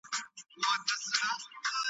د ټانګې آس بل خواته نه ګوري